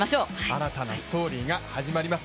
新たなストーリーが始まります。